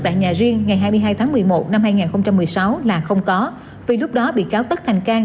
tại nhà riêng ngày hai mươi hai tháng một mươi một năm hai nghìn một mươi sáu là không có vì lúc đó bị cáo tất thành cang